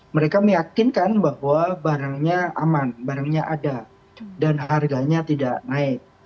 mereka meyakinkan bahwa barangnya aman barangnya ada dan harganya tidak naik